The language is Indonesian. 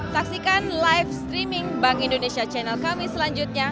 saksikan live streaming bank indonesia channel kami selanjutnya